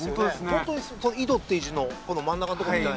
ホントに井戸っていう字のこの真ん中のとこみたいな。